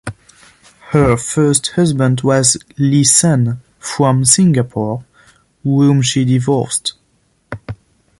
Her first husband was Li Sun from Singapore, whom she divorced.